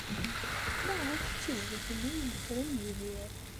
Maɣef d tizlit-nni ay yefren Yidir?